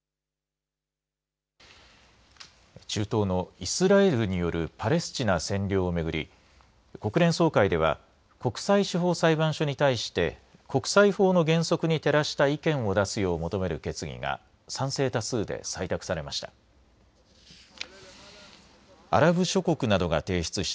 中東のイスラエルによるパレスチナ占領を巡り、国連総会では、国際司法裁判所に対して国際法の原則に照らした意見を出すよう求める決議が賛成多数で採択されました。